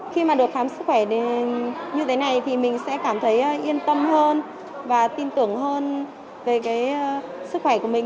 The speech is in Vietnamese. khi mà được khám sức khỏe như thế này thì mình sẽ cảm thấy yên tâm hơn và tin tưởng hơn về cái sức khỏe của mình